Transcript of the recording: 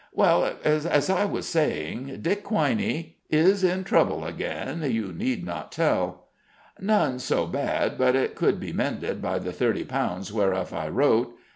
Well, as I was saying, Dick Quiney "" Is in trouble again, you need not tell." "None so bad but it could be mended by the thirty pounds whereof I wrote.